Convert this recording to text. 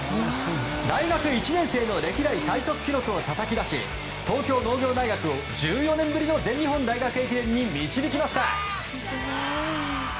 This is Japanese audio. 大学１年生の歴代最速記録をたたき出し東京農業大学を１４年ぶりの全日本大学駅伝に導きました。